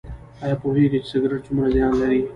ایا پوهیږئ چې سګرټ څومره زیان لري؟